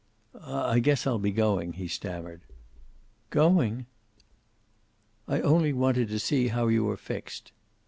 "I guess I'll be going," he stammered. "Going!" "I only wanted to see how you are fixed."